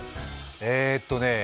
えーっとね